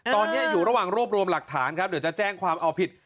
ตอนนี้อยู่ระหว่างรวบรวมหลักฐานครับเดี๋ยวจะแจ้งความเอาผิด